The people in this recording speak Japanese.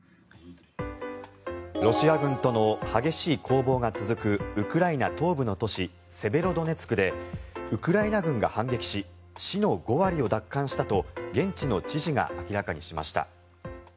ロシア軍との激しい攻防が続くウクライナ東部の都市セベロドネツクでウクライナ軍が反撃し市の５割を奪還したと現地の知事が明らかにしました。